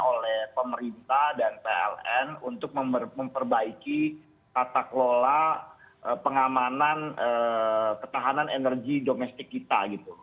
oleh pemerintah dan pln untuk memperbaiki tata kelola pengamanan ketahanan energi domestik kita gitu